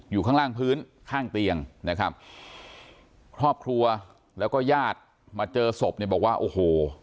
อยู่ข้างล่างพื้นข้างเตียงนะครับครอบครัวแล้วก็ญาติมาเจอศพเนี่ยบอกว่าโอ้โห